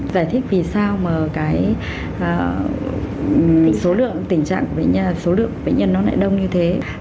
giải thích vì sao số lượng bệnh nhân lại đông như thế